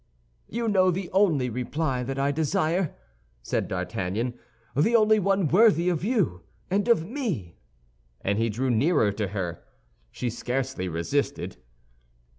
"You know the only reply that I desire," said D'Artagnan, "the only one worthy of you and of me!" And he drew nearer to her. She scarcely resisted.